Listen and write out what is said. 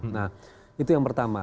nah itu yang pertama